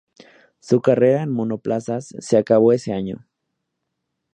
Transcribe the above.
Su carrera en monoplazas se acabó ese año.